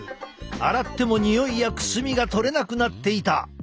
洗ってもにおいやくすみが取れなくなっていた。